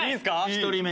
１人目。